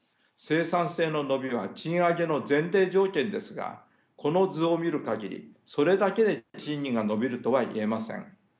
生産性の伸びは賃上げの前提条件ですがこの図を見る限りそれだけで賃金が伸びるとはいえません。